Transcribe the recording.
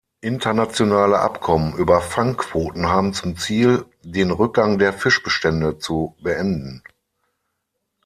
Internationale Abkommen über Fangquoten haben zum Ziel, den Rückgang der Fischbestände zu beenden.